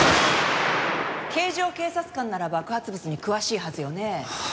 警乗警察官なら爆発物に詳しいはずよね。